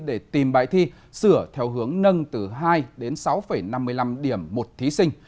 để tìm bài thi sửa theo hướng nâng từ hai đến sáu năm mươi năm điểm một thí sinh